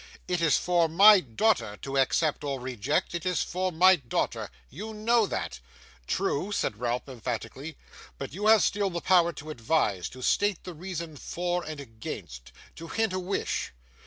'It is for my daughter to accept or reject; it is for my daughter. You know that.' 'True,' said Ralph, emphatically; 'but you have still the power to advise; to state the reasons for and against; to hint a wish.